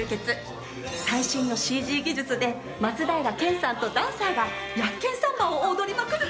最新のＣＧ技術で松平健さんとダンサーが『薬健サンバ』を踊りまくる